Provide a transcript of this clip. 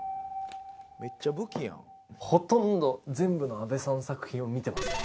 ほとんど全部の阿部さん作品を見てます。